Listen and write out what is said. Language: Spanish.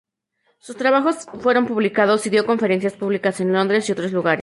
Sus trabajos fueron publicados, y dio conferencias públicas en Londres y otros lugares.